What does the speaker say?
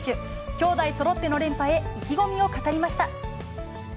きょうだいそろっての連覇へ、意気込みを語りました。